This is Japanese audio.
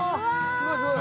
すごいすごい。